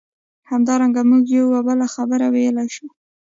همدارنګه موږ یوه بله خبره ویلای شو.